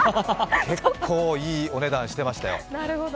結構いいお値段してましたよ。